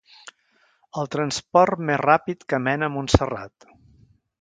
El transport més ràpid que mena a Montserrat.